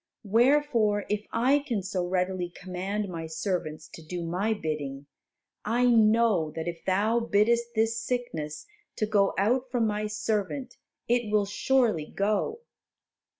Wherefore, if I can so readily command my servants to do my bidding, I know that if Thou biddest this sickness to go out from my servant it will surely go."